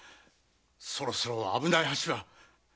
そろそろ危ない橋は。